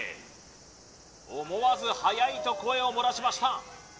思わず速いと声を漏らしました